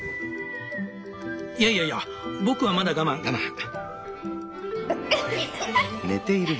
いやいやいや僕はまだ我慢我慢。